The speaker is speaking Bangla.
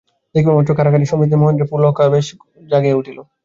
দেখিবামাত্র সেই কাড়াকাড়ির সমৃতিতে মহেন্দ্রের মনে পুলকাবেশ জাগিয়া উঠিল।